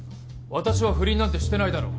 私は不倫なんてしてないだろ。